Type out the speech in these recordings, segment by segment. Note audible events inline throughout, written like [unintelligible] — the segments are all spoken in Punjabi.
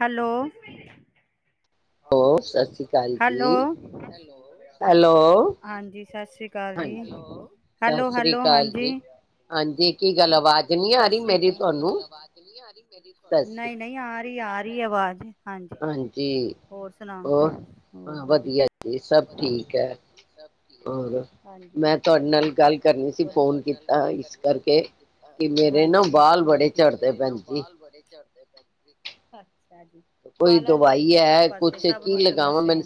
ਹੈਲੋ। ਹੈਲੋ। ਹਾਂਜੀ ਸਤਿ ਸ਼੍ਰੀ ਅਕਾਲ। ਸਤਿ ਸ੍ਰੀ ਕਾਲ ਜੀ ਹੈਲੋ, ਹੈਲੋ- ਹੈਲੋ ਹਾਂਜੀ। ਸਤਿ ਸ੍ਰੀ ਅਕਾਲ ਜੀ-ਸਤਿ ਸ੍ਰੀ ਅਕਾਲ, ਹਾਜੀ ਕੀ ਗੱਲ ਆਵਾਜ਼ ਨੀ ਆ ਰਹੀ ਮੇਰੀ ਤਹਾਨੂੰ, ਨਹੀਂ। ਨਹੀਂ ਆ ਰਹੀ, ਆ ਰਹੀ ਆਵਾਜ। ਹਾਂਜੀ ਹੋਰ ਸੁਣਾਓ, ਹੋਰ ਵਧੀਆ, ਵਧੀਆ ਆ ਭੈਣਜੀ, ਸਬ ਠੀਕ ਐ, ਹਾਂਜੀ ਹੋਰ, ਮੈਂ ਤੁਹਾਡੇ ਨਾਲ ਗੱਲ ਕਰਨੀ ਸੀ ਫੋਨ ਤੇ। ਹਾਂਜੀ- ਹਾਂਜੀ, ਮੇਰੇ ਨਾ ਬਾਲ ਬੜੇ ਝੜਦੇ ਪਏ ਨੇ, ਅੱਛਾ ਜੀ। ਵਾਲਾ ਦੀ ਅੱਜ -ਕੱਲ੍ਹ ਸਭ ਪਾਸੇ ਸਭ ਨੂੰ ਸਮੱਸਿਆ।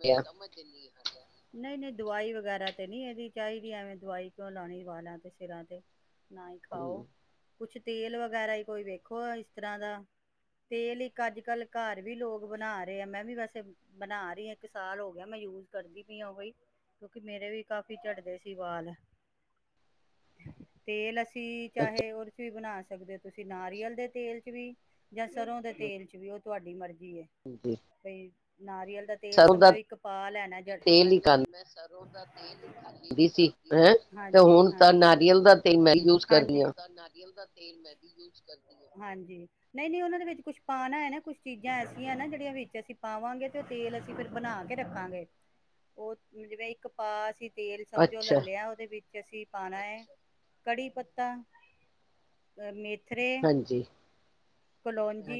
[unintelligible] ਨਹੀਂ -ਨਹੀਂ ਦਵਾਈ ਵਗੈਰਾ ਤੇ ਨਹੀਂ ਇਹਦੀ ਚਾਹੀਦੀ ਐਵੇਂ ਦਵਾਈ ਕਿਉਂ ਲਾਉਣੀ ਵਾਲਾਂ ਤੇ ਸਿਰਾਂ ਤੇ, ਨਾ ਹੀ ਖਾਓ, ਇਸ ਤਰ੍ਹਾਂ ਕੁਛ ਤੇਲ ਵਗੈਰਾ ਹੀ ਕੋਈ ਵੇਖੋ ਇਸ ਤਰ੍ਹਾਂ ਦਾ। ਤੇਲ ਇੱਕ ਅੱਜ ਕੱਲ੍ਹ ਘਰ ਵੀ ਲੋਕ ਬਣਾ ਰਹੇ ਆ। ਮੈਂ ਵੀ ਵੈਸੇ ਬਣਾ ਰਹੀ ਹਾਂ ਇੱਕ ਸਾਲ ਹੋ ਗਿਆ। ਮੈਂ ਯੂਜ ਕਰਦੀ ਪਈ ਉਹੀ, ਕਿਉਂਕਿ ਮੇਰੇ ਵੀ ਕਾਫੀ ਝੜਦੇ ਸੀ ਵਾਲ। [inaudible] ਤੇਲ ਅਸੀਂ ਚਾਹੇ ਉਹਦੇ ਚ ਵੀ ਬਣਾ ਸਕਦੇ ਹੋ। ਤੁਸੀਂ ਨਾਰੀਅਲ ਦੇ ਤੇਲ ਚ ਵੀ। ਜਾ ਸਰ੍ਹੋਂ ਦੇ ਤੇਲ ਚ ਵੀ ਉਹ ਤੁਹਾਡੀ ਮਰਜ਼ੀ ਐ। ਹਾਂਜੀ। ਬਈ ਨਾਰੀਅਲ ਦਾ ਤੇਲ ਸਮਝੋ ਇੱਕ ਪਾ ਲੈਣਾ ਜੜਾ, ਪਹਿਲੇ ਤੇ ਮੈਂ ਸਭ। ਉਹਦਾ ਤੇਲ ਦਿਖਾ ਨੀ। ਕੀ ਲਗਾਦੀ ਸੀ, ਹਾਂਜੀ- ਹਾਂਜੀ ਹੈ, ਹਾਂਜੀ, ਤਾਂ ਨਾਰੀਅਲ ਦਾ ਤੇਲ। ਤੇਲ ਮੈ ਵੀ ਯੂਜ ਕਰਦੀ ਆ, ਹਾਂਜੀ ਨਹੀਂ -ਨਹੀਂ, ਉਹਨਾਂ ਦੇ ਵਿੱਚ ਕੁਛ ਪਾਣਾ ਐ ਨਾ ਕੁਛ ਚੀਜ਼ਾਂ ਐਸੀਆਂ ਨਾ ਜਿਹੜੀਆਂ ਵਿੱਚ ਅਸੀਂ ਪਾਵਾਂਗੇ ਤੇ। ਤੇਲ ਅਸੀਂ ਫਿਰ ਬਣਾ ਕੇ ਰੱਖਾਂਗੇ। ਉਹ ਜਿਵੇਂ ਇੱਕ ਪਾ ਅਸੀ। ਤੇਲ ਸਮਝੋ ਲੈ ਲਿਆ ਉਹਦੇ ਵਿੱਚ ਅਸੀਂ ਪਾਣਾ ਐ ਕੜੀ ਪੱਤਾ, ਮੇਥਰੇ ਹਾਂਜੀ। ਕਲੌਜੀ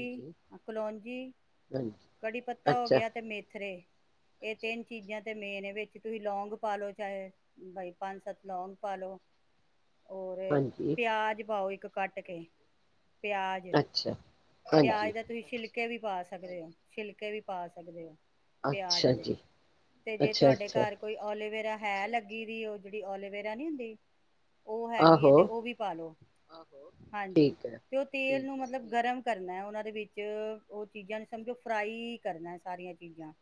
-ਕਲੌਜੀ, ਕੜੀ ਪੱਤਾ ਹੋ ਗਿਆ ਤੇ ਮੇਥਰੇ। ਇਹ ਤਿੰਨ ਚੀਜ਼ਾਂ ਤੇ ਮੇਨ ਆ ਵਿੱਚ ਤੁਸੀਂ ਲੌਗ ਪਾ ਲਓ ਚਾਹੇ। ਬਈ ਪੰਜ, ਸੱਤ ਲੌਂਗ ਪਾਲੋ। ਔਰ ਪਿਆਜ ਪਾਓ ਇੱਕ ਕੱਟ ਕੇ। ਪਿਆਜ- ਪਿਆਜ ਦਾ ਤੁਸੀਂ ਛਿਲਕੇ ਵੀ ਪਾ ਸਕਦੇ ਹੋ-ਛਿਲਕੇ ਵੀ ਪਾ ਸਕਦੇ ਹੋ। ਪਿਆਜ ਦੇ ਤੇ ਜੇ ਤੁਹਾਡੇ ਘਰ ਕੋਈ ਓਲੇਵੇਰਾ ਹੈ ਲੱਗੀ ਵੀ। ਉਹ ਜਿਹੜੀ ਓਲੇਵੇਰਾ ਨੀ ਹੁੰਦੀ, ਉਹ ਹੈਗੀ ਹੈ ਤੇ ਉਹ ਵੀ ਪਾਲੋ, ਹਾਂਜੀ ਤੇ ਉਹ ਤੇਲ ਨੂੰ ਮਤਲਬ ਗਰਮ ਕਰਨਾ ਉਹਨਾਂ ਦੇ ਵਿੱਚ ਉਹ ਚੀਜ਼ਾਂ ਨੂੰ ਸਮਝੋ। ਫ਼ਰਾਈ ਕਰਨਾ ਸਾਰੀਆਂ ਚੀਜ਼ਾਂ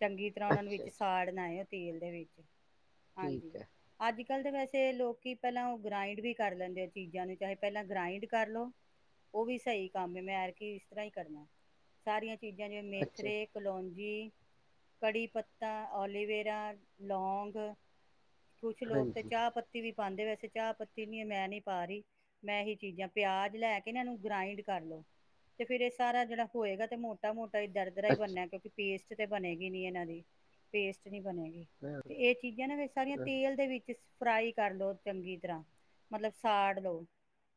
ਚੰਗੀ ਤਰ੍ਹਾਂ ਉਹਨਾਂ ਨੂੰ ਵਿੱਚ ਸਾੜਨਾ ਏ ਤੇਲ਼ ਦੇ ਵਿੱਚ ਹਾਂਜੀ ਅੱਜ ਕੱਲ੍ਹ ਤਾਂ ਵੈਸੇ ਲੋਕੀਂ ਪਹਿਲਾਂ ਉਹ ਗ੍ਰਾਇੰਡ ਵੀ ਕਰ ਲੈਂਦੇ ਆ ਚੀਜ਼ਾਂ ਨੂੰ ਚਾਹੇ ਪਹਿਲਾਂ ਗ੍ਰਾਇੰਡ ਕਰ ਲੋ ਉਹ ਵੀ ਸਹੀ ਕੰਮ ਹੈ ਮੈਂ ਐਰਕੀ ਇਸ ਤਰ੍ਹਾਂ ਈ ਕਰਨਾ ਸਾਰੀਆਂ ਚੀਜ਼ਾਂ ਜਿਵੇਂ ਮੇਥਰੇ ਕਲੌਜੀ, ਕੜੀ ਪੱਤਾ, ਓਲੀਵੇਰਾ, ਲੌਗ ਕੁਛ ਲੋਕ ਤੇ ਚਾਹ ਪੱਤੀ ਵੀ ਪਾਂਦੇ ਵੈਸੇ ਚਾਹ ਪੱਤੀ ਨੀ ਮੈਂ ਨੀ ਪਾ ਰਹੀ ਮੈਂ ਇਹੀ ਚੀਜ਼ਾਂ ਪਿਆਜ਼ ਲੈ ਕੇ ਨਾ ਇਹਨੂੰ ਗ੍ਰਾਇੰਡ ਕਰ ਲੋ ਤੇ ਫ਼ੇਰ ਇਹ ਸਾਰਾ ਜਿਹੜਾ ਹੋਏਗਾ ਤੇ ਮੋਟਾ -ਮੋਟਾ ਇੱਧਰ ਦਰਾ ਈ ਬਣਨਾ ਕਿਉਂਕਿ ਪੇਸਟ ਤੇ ਬਣੇਗੀ ਨੀ ਇਹਨਾਂ ਦੀ ਪੇਸਟ ਨੀ ਬਣੇਗੀ ਤੇ ਇਹ ਚੀਜ਼ਾਂ ਨਾ ਵੈਸੇ ਸਾਰੀਆਂ ਕੜਾਈ ਦੇ ਵਿੱਚ ਫ਼ਰਾਈ ਕਰ ਲੋ ਚੰਗੀ ਤਰ੍ਹਾਂ ਮਤਲਬ ਸਾੜ ਲਓ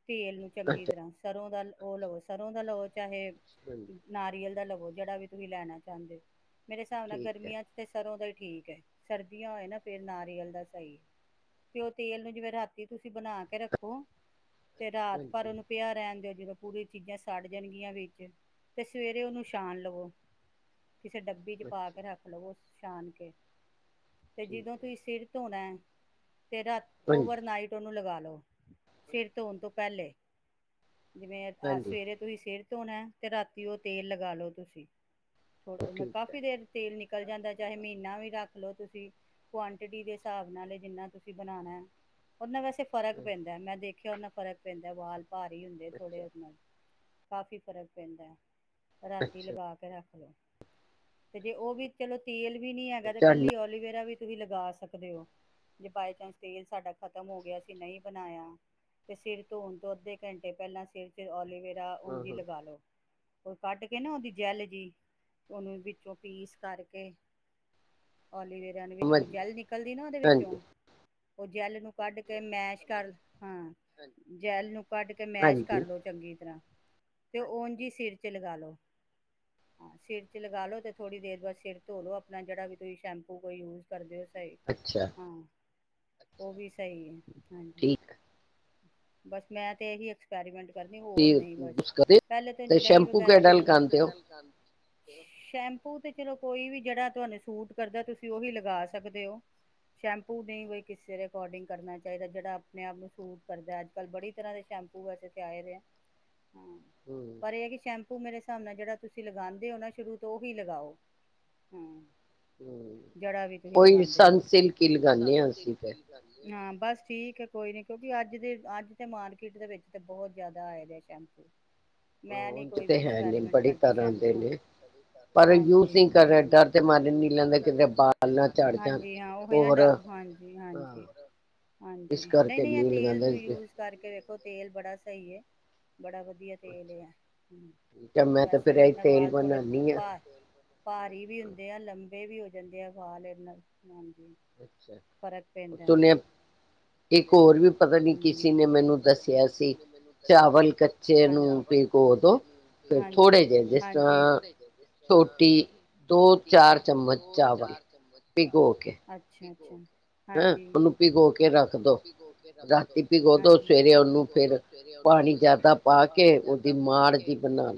ਤੇਲ ਨੂੰ ਚੰਗੀ ਤਰ੍ਹਾਂ ਸਰ੍ਹੋਂ ਦਾ ਉਹ ਲਵੋ ਸਰ੍ਹੋਂ ਦਾ ਲਵੋ ਚਾਹੇ ਹਾਂਜੀ। ਨਾਰੀਅਲ ਦਾ ਲਵੋ ਜਿਹੜਾ ਵੀ ਤੁਸੀਂ ਲੈਣਾ ਚਾਹੁੰਦੇ ਹੋ ਮੇਰੇ ਸਾਬ ਨਾਲ਼ ਗਰਮੀਆਂ ਤੇ ਸਰੋਂ ਦਾ ਹੀ ਠੀਕ ਏ ਸਰਦੀਆਂ ਹੋਏ ਨਾ ਫ਼ੇਰ ਨਾਰੀਅਲ ਦਾ ਸਹੀ ਉਹ ਤੇਲ ਨੂੰ ਜਿਵੇਂ ਰਾਤੀ ਤੁਸੀਂ ਬਣਾ ਕੇ ਰੱਖੋ ਤੇ ਰਾਤ ਪਰ ਉਹਨੂੰ ਪਿਆ ਰਹਿਣ ਦਿਓ ਜਿਵੇਂ ਪੂਰੀ ਚੀਜ਼ਾਂ ਸੜ ਜਾਣਗੀਆਂ ਵਿੱਚ ਤੇ ਸਵੇਰੇ ਉਹਨੂੰ ਛਾਨ ਲਵੋ ਕਿਸੇ ਡੱਬੀ ਚ ਪਾ ਕੇ ਰੱਖ ਲਵੋ ਛਾਨ ਕੇ ਤੇ ਜਦੋਂ ਤੁਸੀਂ ਸਿਰ ਧੋਣਾ ਏ ਤੇ ਰਾਤ ਓਵਰਨਾਈਟ ਓਨੂੰ ਲਗਾ ਲਓ ਸਿਰ ਧੋਣ ਤੋਂ ਪਹਿਲੇ ਜਿਵੇਂ ਆ ਸਵੇਰੇ ਤੁਸੀਂ ਸਿਰ ਧੋਣਾ ਤੇ ਰਾਤੀਂ ਉਹ ਤੇਲ ਲਗਾ ਲੋ, ਤੁਸੀਂ ਥੋੜ੍ਹਾ ਮੈਂ ਕਾਫ਼ੀ ਤੇਲ ਨਿਕਲ਼ ਨਿਕਲ਼ ਜਾਂਦਾ ਮਹੀਨਾ ਵੀ ਰੱਖ ਲਓ ਤੁਸੀਂ ਕੁਆਨਟਿਟੀ ਦੇ ਹਿਸਾਬ ਨਾਲ਼ ਜਿੰਨਾ ਤੁਸੀਂ ਬਣਾਣਾ ਉਹਨਾ ਵੈਸੇ ਫ਼ਰਕ ਪੈਂਦਾ ਮੈਂ ਦੇਖਿਆਂ ਉਹਨਾ ਫ਼ਰਕ ਸਿਰ ਦੇ ਵਾਲ ਭਾਰੀ ਹੁੰਦੇ ਥੋੜ੍ਹੇ ਜੇ ਕਾਫ਼ੀ ਫ਼ਰਕ ਪੈਂਦਾ ਏ। ਰਾਤੀਂ ਲਗਾ ਕੇ ਰੱਖ ਲਓ ਤੇ ਜੇ ਉਹ ਵੀ ਚਲੋ ਤੇਲ ਵੀ ਨ੍ਹੀਂ ਹੈਗਾ ਤੇ ਇਕੱਲੀ ਐਲੋਵੀਰਾ ਵੀ ਤੁਸੀਂ ਲਗਾ ਸਕਦੇ ਹੋ ਸਕਦੇ ਓ ਜੇ ਬਾਈ ਚਾਂਸ ਤੇਲ ਸਾਡਾ ਖ਼ਤਮ ਹੋ ਗਿਆ ਅਸੀਂ ਨਹੀਂ ਬਣਾਇਆ ਤੇ ਸਿਰ ਧੋਣ ਤੋਂ ਅੱਧੇ ਘੰਟੇ ਪਹਿਲਾਂ ਸਿਰ 'ਚ ਐਲੋਵੀਰਾ ਔਂਦੀ ਲਗਾ ਲਓ ਕੋਈ ਕੱਢ ਕੇ ਨਾ ਉਹਦੀ ਜੈਲ ਜੀ ਉਹਨੂੰ ਵਿੱਚੋਂ ਪੀਸ ਕਰਕੇ ਐਲੋਵੀਰਾਂ ਦੇ ਵਿੱਚੋਂ ਜੈੱਲ ਨਿਕਲਦੀ ਨਾ ਉਹਦੇ ਵਿੱਚੋਂ ਉਹ ਜੈਲ ਨੂੰ ਕੱਢ ਕੇ ਮੈਸ਼ ਕਰ ਹਾਂ ਜੈਲ ਨੂੰ ਕੱਢ ਕੇ ਮੈਸ਼ ਕਰ ਲੋ ਚੰਗੀ ਤਰ੍ਹਾਂ ਤੇ ਓਂਝ ਈ ਸਿਰ ਚ ਲਗਾ ਲੋ [inaudible] ਸਿਰ ਚ ਲਗਾ ਲਓ ਤੇ ਥੋੜ੍ਹੀ ਦੇਰ ਬਾਅਦ ਲਓ ਆਪਣਾ ਜਿਹੜਾ ਵੀ ਤੁਸੀਂ ਸ਼ੈਂਪੂ ਕੋਈ ਯੂਜ ਕਰਦੇ ਹੋ ਸਹੀ ਅੱਛਾ। ਹਾਂ ਉਹ ਵੀ ਸਹੀ ਆ ਹਾਂਜੀ ਬਸ ਮੈਂ ਤੇ ਇਹੀ ਐਕਸ ਐਕਸਪੈਂਰੀਮੈਂਟ ਕਰਨੀ ਹੋਰ ਨਹੀਂ ਬਸ ਪਹਿਲੇ ਤੇ ਉਂਝ ਦਹੀ ਵਗੈਰਾ ਵੀ ਲਗਾ, ਸ਼ੈਂਪੂ ਤੇ ਚਲੋ ਕੋਈ ਵੀ ਜਿਹੜਾ ਤੁਹਾਨੂੰ ਸੂਟ ਕਰਦਾ ਤੁਸੀਂ ਉਹੀ ਲਗਾ ਸਕਦੇ ਓ ਸ਼ੈਂਪੂ ਨਹੀਂ ਕੋਈ ਕਿਸੇ ਦੇ ਅਕੋਰਡਿੰਗ ਕਰਨਾ ਚਾਹੀਦਾ ਜਿਹੜਾ ਆਪਣੇ ਆਪ ਨੂੰ ਸੂਟ ਕਰਦਾ ਏ ਅੱਜ ਕੱਲ੍ਹ ਬੜੀ ਤਰ੍ਹਾਂ ਦੇ ਸ਼ੈਂਪੂ [unintelligible] [inaudible] ਪਰ ਇਹ ਹੈ ਕਿ ਸ਼ੈਂਪੂ ਮੇਰੇ ਹਿਸਾਬ ਨਾਲ਼ ਜਿਹੜਾ ਤੁਸੀਂ ਲਗਾਦੇ ਹੋ ਨਾ ਸ਼ੁਰੂ ਤੋਂ ਉਹੀ ਲਗਾਓ ਹੁ ਹ ਕੋਈ ਸਨਸਿਲਕ ਹੀ ਲਗਾਉਣੇ ਆ ਅਸੀਂ ਤੇ ਹਾਂ ਬਸ ਠੀਕ ਹੈ ਕੋਈ ਨੀ, ਕਿਉਂਕਿ ਅੱਜ ਦੇ ਅੱਜ ਤੇ ਮਾਰਕੀਟ ਦੇ ਵਿੱਚ ਤੇ ਬਹੁਤ ਜ਼ਿਆਦਾ ਆਏ ਨੇ ਸ਼ੈਂਪੂ ਮੈਂ ਨੀ ਕੋਈ ਵੀ ਐਕਸਪੈਰੀਮੈਂਟ ਕਰਦੀ ਸ਼ੈਂਪੂ ਹਾਂਜੀ ਹਮ ਪਰ ਯੂਜ ਨ ਕਰ ਰਿਹਾ ਮ ਹਾਂਜੀ ਹਾਂ ਓ [unintelligible] ਹਾਂਜੀ -ਹਾਂਜੀ, ਹਾਂਜੀ ਨਹੀਂ- ਨਹੀਂ ਯ ਤੇਲ ਤੂ ਯੂ ਇਸ ਕਰਕੇ ਵੇਖੋ ਤੇਲ ਬੜਾ ਸਹੀ ਹੈ ਬੜਾ ਵਧੀਆ ਵਧੀਆ ਤੇਲ ਏ ਹੂ ਵੈਸੇ ਵੀ ਇਹਦੇ ਨਾਲ ਵਾਲ ਥੋੜੇ ਭਾ ਭਾਰੀ ਵੀ ਹੁੰਦੇ ਆ ਲੰਬੇ ਵੀ ਹੋ ਜਾਂਦੇ ਆ ਵਾਲ ਇਹਦੇ ਨਾਲ ਹਾਂਜੀ। [inaudible] ਫ਼ਰਕ ਪੈਂਦਾ ਹੈ ਇੱਕ ਹੋਰ ਵੀ ਪਤਾ ਨੀ ਕਿਸੇ ਨੇ ਮੈਨੂੰ ਦੱਸਿਆ ਸੀ ਚਾਵਲ ਕੱ ਚਾਵਲ ਕੱਚੇ, ਹਾਂਜੀ, ਥੋੜ੍ਹੇ ਤੋਂ ਥੋੜ੍ਹੇ। ਦੋ, ਚਾਰ ਚਮਚ ਚਾਵਲ ਭਿਗੋ ਕੇ। ਅੱਛੀ -ਅੱਛੇ ਹੈਂ ਉਹਨੂੰ ਭਿਗੋ ਕੇ ਰੱਖ ਦੋ ਰਾਤੀ ਭਿਗੋ ਦੋ ਸਵੇਰੇ ਉਹਨੂੰ ਫਿਰ ਸਵੇਰੇ ਉਹਨੂੰ ਫਿਰ ਪਾਣੀ ਜਿਆਦਾ ਪਾ ਕੇ ਉਹਦੀ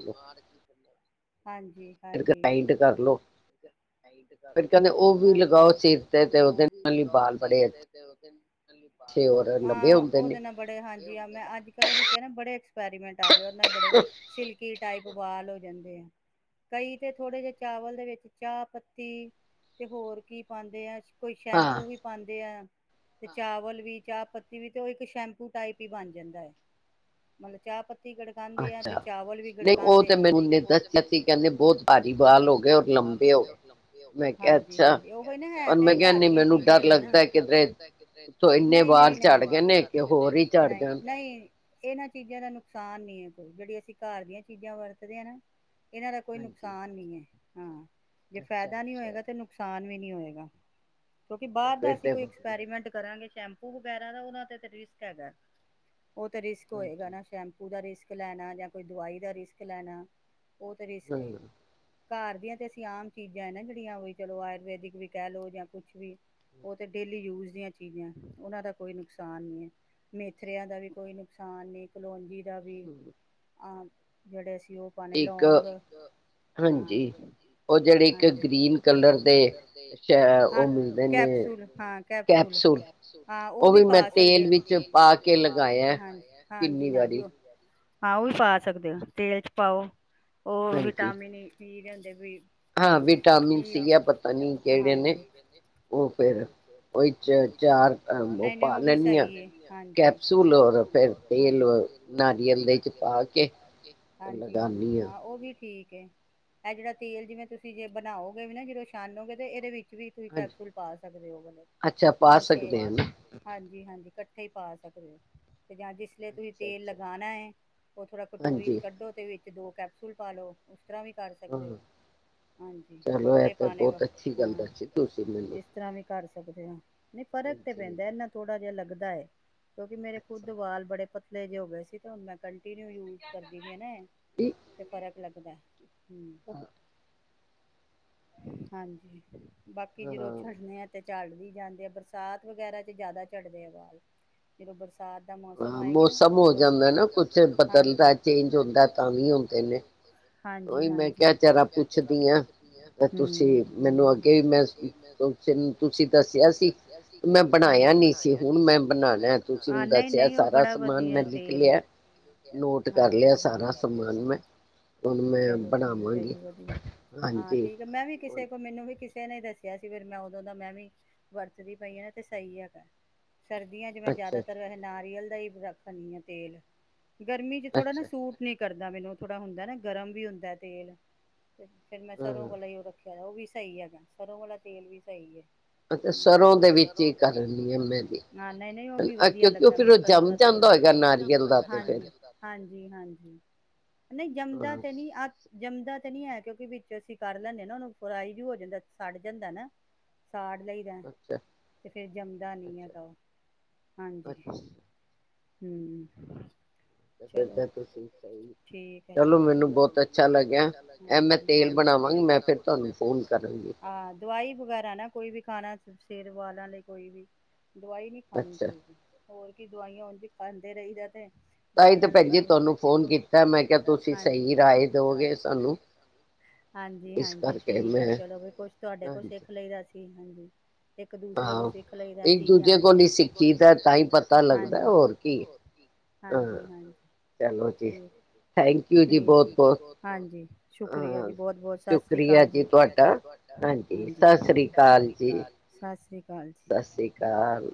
ਹਾਂਜੀ ਫਿਰ ਗਰਾਈੰਡ ਕਰ ਲਓ ਫਿਰ ਕਹਿੰਦੇ ਉਹ ਵੀ ਲਗਾਓ ਸਿਰ ਕਹਿੰਦੇ ਉਹ ਵੀ ਲਗਾਓ ਸਿਰ ਤੇ ਤੇ ਉਹਦੇ ਨਾਲ ਵਾਲ ਬੜੇ ਹਾਂ ਉਹਦੇ ਨਾ ਬੜੇ ਹਾਂਜੀ ਮੈਂ ਅੱਜ- ਕੱਲ ਉਹੀ ਕਿਹਾ ਬੜੇ ਐਕਸਪੈਰੀਮੈਂਟ ਆ ਗਏ ਔਰ ਮੈ ਬੜੇ ਸਿਲਕੀ ਚਾਈ ਬਬਾਲ ਹੋ ਜਾਂਦੇ ਆ। ਕਈ ਤੇ ਥੋੜੇ ਜਿਹੇ ਚਾਵਲ਼ ਦੇ ਵਿੱਚ ਚਾਹ ਪੱਤੀ ਤੇ ਹੋਰ ਕੀ ਪਾਂਦੇ ਤੇ ਐਹ ਕੋਈ ਸ਼ੈਂਪੂ ਵੀ ਪਾਂਦੇ ਆ ਤੇ ਚਾਵਲ਼ ਵੀ, ਚਾਹ ਪੱਤੀ ਵੀ ਉਹ ਇੱਕ ਸ਼ੈਂਪੂ ਟਾਈਪ ਹੀ ਬਣ ਜਾਂਦਾ ਹੈ। ਮਤਲਬ ਚਾਹ ਪੱਤੀ ਕਿਹੜਾ ਖਾਂਦੇ ਆ ਤੇ ਚਾਵਲ ਵੀ ਗੜਕਾਂਦੇ ਆ ਨਹੀਂ ਉਹ ਤੇ ਮੈਨੂੰ ਦੱਸ ਕਿਹਾ ਸੀ ਕਹਿੰਦੇ ਬਹੁਤ ਭਾਰੀ ਵਾਲ ਹੋ ਗਏ ਮੈਂ ਕਿਹਾ ਅੱਛਾ। ਕੋਈ ਨਾ ਹੈ ਤੇ ਘਰ ਦੀਆਂ ਚੀਜ਼ਾਂ ਹੀ ਨਾ ਮੈਨੂੰ ਡਰ ਲੱਗਦਾ ਕਿਤੇ ਇਸ ਦੇ ਬਾਅਦ ਝੜ ਨਹੀਂ -ਨਹੀਂ [unintelligible] ਨਹੀਂ ਨਹੀਂ ਇਹਨਾਂ ਚੀਜ਼ਾਂ ਦਾ ਨੁਕਸਾਨ ਨਈ ਹੈ ਕੋਈ ਜਿਹੜੀ ਘਰ ਦੀਆਂ ਚੀਜ਼ਾਂ ਵਰਤਦੇ ਆਂ ਨਾ। ਇਹਨਾਂ ਦਾ ਕੋਈ ਨੁਕਸਾਨ ਨਹੀਂ ਹੈ ਹਾਂ ਜੇ ਫ਼ਾਇਦਾ ਨਹੀਂ ਹੋਏਗਾ ਤੇ ਨੁਕਸਾਨ ਵੀ ਹੋਏਗਾ ਕਿਉਂਕਿ ਬਾਹਰ ਦਾ ਅਸੀਂ ਕੋਈ ਐਕਸਪੈਰੀਮੈਂਟ ਕਰਾਂਗੇ ਸ਼ੈਂਪੂ ਸੈਂਪੂ ਵਗੈਰਾ ਦਾ ਉਹਨਾ ਤੇ ਰਿਕਸ ਹੈਗਾ ਉਹ ਤੇ ਰਿਸਕ ਹੋਏਗਾ ਨਾ ਸੈਂਪੂ [unintelligible] ਦਾ ਰਿਸਕ ਲੈਣਾ ਜਾਂ ਕੋਈ ਦਵਾਈ ਦਾ ਰਿਸਕ ਲੈਣਾ ਉਹ ਤਾਂ ਰਿਸਕ ਏ ਘਰ ਦੀਆਂ ਤੇ ਅਸੀਂ ਆਮ ਚੀਜ਼ਾਂ ਹੈ ਨਾ ਜਿਹੜੀਆਂ ਵੀ ਚਲੋ ਆਯੁਰਵੈਦਿਕ ਵੀ ਕਹਿ ਲਓ ਜਾਂ ਕੁਛ ਵੀ ਉਹ ਤੇ ਡੇਲੀ ਯੂਜ਼ ਦੀਆਂ ਚੀਜ਼ਾਂ ਉਹਨਾਂ ਦਾ ਕੋਈ ਨੁਕਸਾਨ ਨਹੀਂ ਹੈ। ਮੇਥਰਿਆਂ ਦਾ ਵੀ ਕੋਈ ਨੁਕਸਾਨ ਨਹੀਂ ਕਲੋਂਜੀ ਦਾ ਵੀ ਆਮ ਜਿਹੜੇ ਸੀ ਉਹ ਪਾਣੀ ਲਵੋ ਗੇ ਹਾਂ ਉਹ ਜਿਹੜੇ ਇੱਕ ਗ੍ਰੀਨ ਕਲਰ ਹਾਂ ਕੈਪਸੂਲ, ਹਾਂ ਕੈਪਸੂਲ ਹਾਂ ਉਹ ਵੀ ਪਾ ਸਕਦੇ ਹਾਂ। ਤੇਲ ਵਿੱਚ ਪਾ ਕੇ ਲਗਾਇਆ ਹਾਂਜੀ -ਹਾਂਜੀ ਉਹ ਹਾਂ ਉਹ ਵੀ ਪਾ ਸਕਦੇ ਹੋ ਤੇਲ ਚ ਪਾਓ ਉਹ ਵਿਟਾਮਿਨ ਏ ਕੀ ਕਹਿੰਦੇ ਵੀ ਹਾਂ ਵਿਟਾਮਿਨ ਸੀ ਆ ਪਤਾ ਨਹੀਂ ਹਾਂਜੀ [unintelligible] ਉਹ ਫਿਰ ਉਹੀ ਚ ਚਾਰ ਪਾ ਲੈਨੀ ਆ ਕੈਪਸੂਲ ਔਰ ਫਿਰ ਤੇਲ ਨਾਰੀਅਲ ਦੇ ਚ ਪਾ ਕੇ ਲਗਾਨੀ ਆ। ਉਹ ਵੀ ਠੀਕ ਏ ਇਹ ਜਿਹੜਾ ਤੇਲ ਜਿਵੇਂ ਤੁਸੀਂ ਜੇ ਬਣਾਓਗੇ ਵੀ ਨਾ ਜਦੋਂ ਛਾਨੋਗੇ ਤੇ ਇਹਦੇ ਵਿੱਚ ਵੀ ਤੁਸੀਂ ਕੈਪਸੂਲ ਪਾ ਸਕਦੇ ਹੋ ਮਤਲਬ ਪੰਜ, ਛੇ ਪਾ ਸਕਦੇ ਹਾਂਜੀ- ਹਾਂਜੀ ਇਕੱਠੇ ਹੀ ਪਾ ਸਕਦੇ ਹੋ ਤੇ ਜਾਂ ਜਿਸ ਵੇਲੇ ਤੁਸੀਂ ਤੇਲ ਲਗਾਉਣਾ ਹੈਂ ਉਹ ਥੋੜ੍ਹਾ ਕਟੋਰੀ 'ਚ ਕੱਢੋ ਤੇ ਵਿੱਚ ਦੋ ਕੈਪਸੂਲ ਪਾ ਲਉ। ਉਸ ਤਰ੍ਹਾਂ ਵੀ ਕਰ ਸਕਦੇ ਹੋ ਹਾਂਜੀ ਵੱਖਰੇ ਪਾਣੇ ਵ ਗੱਲ ਦੱਸੀ ਤੁਸੀਂ ਮੈਨੂੰ ਕਰ ਸਕਦੇ ਹੋ ਨਹੀਂ ਫ਼ਰਕ ਤੇ ਪੈਂਦਾ ਇੰਨਾ ਥੋੜ੍ਹਾ ਜਿਹਾ ਲੱਗਦਾ ਹੈ। ਕਿਉਂਕਿ ਮੇਰੇ ਖੁਦ ਦੇ ਵਾਲ ਬੜੇ ਪਤਲੇ ਜੇ ਹੋ ਗਏ ਤੇ ਹੁਣ ਮੈਂ ਕੰਟੀਨਿਊ ਯੂਜ਼ ਕਰਦੀ ਵੀ ਹੈ ਨਾ ਤੇ ਫ਼ਰਕ ਲੱਗਦਾ। [unintelligible] ਹਾਂਜੀ ਬਾਕੀ ਜਦੋਂ ਛੱਡਣੇ ਆ। ਤੇ ਝੜ ਵੀ ਜਾਂਦੇ ਆ ਬਰਸਾ਼ਤ ਵਗੈਰਾ ਚ ਜ਼ਿਆਦਾ ਝੜਦੇ ਆ ਵਾਲ ਜਦੋਂ ਬਰਸਾ਼ਤ--ਬਰਸਾ਼ਤ ਮੌਸਮ ਆਏਗੀ ਉਦੋ ਸਭ ਹੋ ਜਾਂਦਾ ਨਾ [inaudible] ਚੇਜ਼ ਹੁੰਦਾਂ [inaudible] ਹਾਂਜੀ-ਹਾਂਜੀ ਮੈ ਕਿਆ ਜ਼ਰਾ [unintelligible] ਪੁੱਛਦੀ ਆ ਹਮ। ਮੈਨੂੰ ਅੱਗੇ ਵੀ ਮੈਂ [inaudible] ਤੁਸੀਂ ਦੱਸਿਆ ਸੀ। ਹਾਂਜੀ ਮੈਂ ਬਣਾਇਆ ਨੀ ਸੀ ਹੁਣ ਮੈਂ ਹਾਂ ਨਹੀਂ-ਨਹੀਂ ਉਹ [unintelligible] ਬੜਾ ਵਧੀਆ ਤੇਲ। ਨੋਟ ਕਰ ਲਿਆ ਸਾਰਾ ਸਮਾਨ ਮੈਂ ਚਲੋ ਠੀਕ ਹੈ ਜੀ ਵਧੀਆ [inaudible] ਹਾਂ, ਠੀਕ ਹੈ। ਮੈਂ ਵੀ ਕਿਸੇ ਕੋਲ ਮੈਨੂੰ ਵੀ ਕਿਸੇ ਕਿਨੇ ਨੇ ਦੱਸਿਆ ਸੀ ਫਿਰ ਮੈਂ ਉਦੋਂ ਦਾ ਮੈਂ ਵੀ ਵਰਤਦੀ ਪਈ ਆ ਨਾ ਤੇ ਸਹੀ ਹੈਗਾ। ਸਰਦੀਆਂ ਚ ਮੈਂ ਜ਼ਿਆਦਾਤਰ ਨਾਰੀਅਲ ਦਾ ਹੀ ਰਖਾਨੀ ਹਾਂ ਮੈਂ ਤੇਲ ਗਰਮੀ ਚ ਥੋੜ੍ਹਾ ਨਾ ਸੂਟ ਨਹੀਂ ਕਰਦਾ ਮੈਨੂੰ ਥੋੜਾ ਹੁੰਦਾ ਨਾ ਗਰਮ ਵੀ ਹੁੰਦਾ ਹੈ ਤੇਲ ਤੇ ਫਿਰ ਮੈਂ ਸਰੋਂ ਵਾਲਾ ਹੀ ਉਹ ਰੱਖ ਖਿਆ। ਉਹ ਵੀ ਸਹੀ ਹੈਗਾ ਸਰੋਂ ਵਾਲਾ ਤੇਲ ਵੀ ਸਹੀ ਹੈ। [inaudible] ਸਰੋਂ ਦੇ ਵਿੱਚ ਨਹੀਂ-ਨਹੀਂ ਉਹ ਵੀ ਵਧੀਆ ਲੱਗਾ ਮੈਨੂੰ ਸਰੋਂ ਦਾ ਇਹ ਤਾਂ ਜੰਮ ਜਾਂਦਾ ਹੋਣਾ [unintelligible] ਤੇਲ ਤਾਂ ਹਾਂਜੀ-ਹਾਂਜੀ-ਹਾਂਜੀ। ਨਹੀਂ ਜੰਮਦਾ ਤੇ ਨੀ ਆ। ਜੰਮਦਾ ਤਾਂ ਨਹੀ ਹੈ ਕਿਉਂਕਿ ਵਿੱਚ ਅਸੀਂ ਕਰ ਲੈੈਂਦੇ ਨਾ ਉਹਨੂੰ ਫਰਾਈ ਵੀ ਹੋ ਜਾਂਦਾ। ਸੜ ਜਾਂਦਾ ਨਾ, ਸਾੜ ਲਈ ਤੇ ਫਿਰ ਜੰਮਦਾ ਨੀ ਹੈਗਾ ਉਹ ਹਾਂਜੀ। ਹੂੰ ਚਲੋ ਠੀਕ ਆ ਜੀ [unintelligible] ਹੈਲੋ ਮੈਨੂੰ ਬਹੁਤ ਅੱਛਾ ਲੱਗਿਆ ਕਹਿਦਾ ਤੇਲ ਬਣਾਵਾ ਮੈਂ [unintelligible] ਦਵਾਈ ਵਗੈਰਾ ਨਾ ਕੋਈ ਵੀ ਖਾਣਾ, ਸਿਰ ਵਾਲਾਂ ਲਈ ਕੋਈ ਵੀ ਦਵਾਈ ਨਹੀਂ ਖਾਣੀ ਕੋਈ ਵੀ। ਹੋਰ ਕੀ ਦਵਾਈਆਂ ਉਝ ਖਾਂਦੇ ਰਹੀਦਾ ਤੇ ਤਾਹੀਂ ਤਾਂ ਤੁਹਾਨੂੰ ਫੋਨ ਕੀਤਾ ਭੈਣ ਮੈ ਕਿਹਾ ਤੁਸੀ [unintelligible] ਸਹੀ ਰਾਏ ਦੋਗੇ। ਹਾਂਜੀ-ਹਾਂਜੀ ਠੀਕ ਹੈ [unintelligible] ਚਲੋ ਵੀ ਕੁਛ ਤੁਹਾਡੇ ਕੋਲ ਸਿੱਖ ਲਈ ਸੀ ਹਾਂਜੀ। ਇੱਕ ਦੂਸਰੇ ਕੋਲੋ ਸਿੱਖ ਲਈਦਾ ਚੀਜ਼ਾਂ ਇੱਕ ਦੂਜੇ ਤੋਂ ਨੀ ਸਿੱਖੀ ਦਾ ਤਾਈਂ [inaudible] ਪਤਾ ਲਗਦਾ। ਹੋਰ ਕੀ [inaudible] ਹਾਂਜੀ-ਹਾਂਜੀ। ਚਲੋ ਜੀ। ਠੀ [unintelligible] ਹਾਂਜੀ ਸ਼ੁਕਰੀਆ ਜੀ ਬਹੁਤ-ਬਹੁਤ ਸਤਿ ਸ੍ਰੀ ਅਕਾਲ ਜੀ। [unintelligible] ਹਾਂਜੀ [unintelligible] ਸਤਿ ਸ੍ਰੀ ਅਕਾਲ ਸਤਿ੍ਰੀ ਅਕਾਲ। ਸਤਿ ਸ਼੍ਰੀ ਅਕਾਲ।